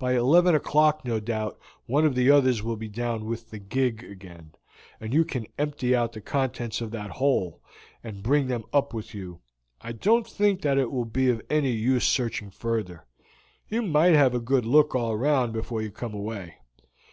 "By eleven o'clock, no doubt, one of the others will be down with the gig again, and you can empty out the contents of that hole, and bring them up with you. I don't think that it will be of any use searching further. You might have a good look all round before you come away.